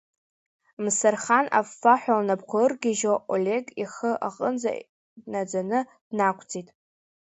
Мсырхан аффаҳәа лнапқәа ыргьежьуа Олег ихы аҟынӡа днаӡаны днагәӡит.